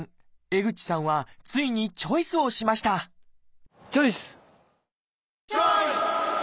江口さんはついにチョイスをしましたチョイス！